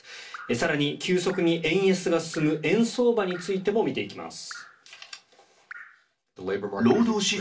更に急速に円安が進む円相場についても見ていきます。